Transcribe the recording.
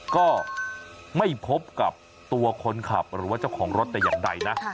ก็ไม่พบกับตัวคนขับหรือว่าเจ้าของรถแต่อย่างใดนะ